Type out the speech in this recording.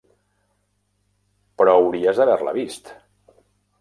Però hauries d'haver-la vist!